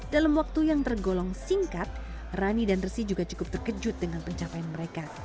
dalam waktu yang tergolong singkat rani dan resi juga cukup terkejut dengan pencapaian mereka